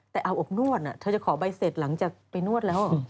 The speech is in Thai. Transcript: แต่อาบอบนวดเธอจะขอใบเสร็จหลังจากไปนวดแล้ว